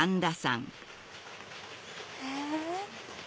え？